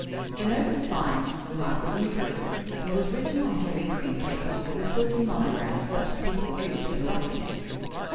The note was signed "Margaret Newberry" and was written on heavy cream paper with a silver monogram such as people use when roughing it.